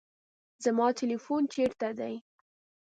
زما تلیفون چیرته دی؟